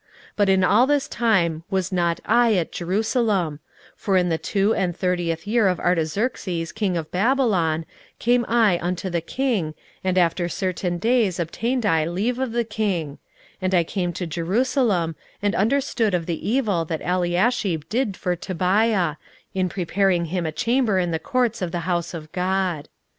16:013:006 But in all this time was not I at Jerusalem: for in the two and thirtieth year of Artaxerxes king of Babylon came I unto the king, and after certain days obtained I leave of the king: 16:013:007 And I came to Jerusalem, and understood of the evil that Eliashib did for Tobiah, in preparing him a chamber in the courts of the house of God.